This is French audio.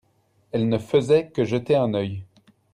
elle ne faisait que jeter un œil.